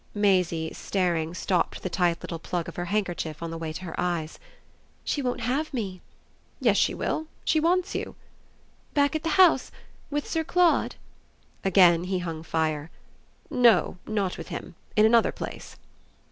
Maisie, staring, stopped the tight little plug of her handkerchief on the way to her eyes. "She won't have me." "Yes she will. She wants you." "Back at the house with Sir Claude?" Again he hung fire. "No, not with him. In another place."